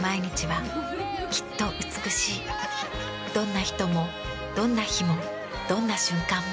どんな人もどんな日もどんな瞬間も。